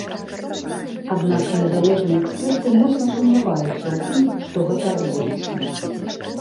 Аднак незалежныя эксперты моцна сумняваюцца ў тым, што гэта адбудзецца.